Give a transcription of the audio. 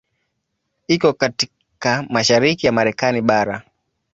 Iko katika mashariki ya Marekani bara.